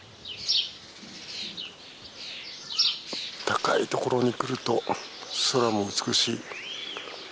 高い所に来ると空も美しい。